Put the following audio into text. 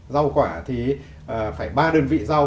rau quả thì phải ba đơn vị rau